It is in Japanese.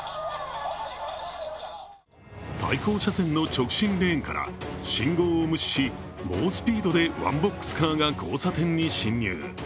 対向車線の直進レーンから信号を無視し猛スピードでワンボックスカーが交差点に進入。